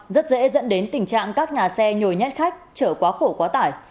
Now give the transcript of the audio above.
rất dễ dẫn đến tình trạng các nhà xe nhồi nhét khách chở quá khổ quá tải